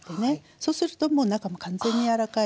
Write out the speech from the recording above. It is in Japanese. そうするともう中完全に柔らかいのでね。